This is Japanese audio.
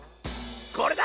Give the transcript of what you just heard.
これだ！